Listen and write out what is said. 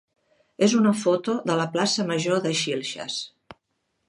és una foto de la plaça major de Xilxes.